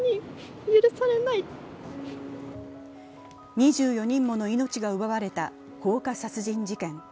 ２４人もの命が奪われた放火殺人事件。